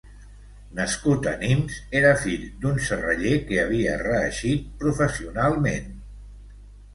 Nascut a Nimes, era fill d’un serraller que havia reeixit professionalment.